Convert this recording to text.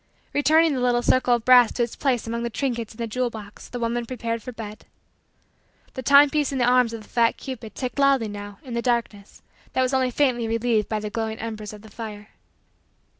Returning the little circle of brass to its place among the trinkets in the jewel box, the woman prepared for bed. The timepiece in the arms of the fat cupid ticked loudly now in the darkness that was only faintly relieved by the glowing embers of the fire.